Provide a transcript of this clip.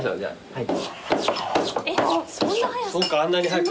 はい。